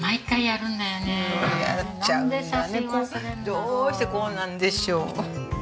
どうしてこうなんでしょう。